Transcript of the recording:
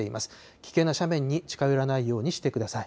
危険な斜面に近寄らないようにしてください。